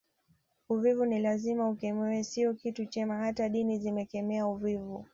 Uvivu ni lazima ukemewe sio kitu chema hata dini zimekemea uvivu